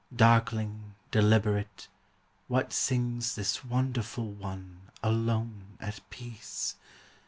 Darkling, deliberate, what sings This wonderful one, alone, at peace?